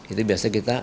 itu biasanya kita